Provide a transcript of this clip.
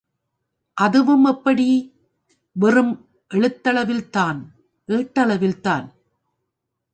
அதுவும் எப்படி? வெறும் எழுத்தளவில்தான், ஏட்டளவில்தான்!